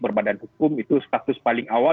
berbadan hukum itu status paling awal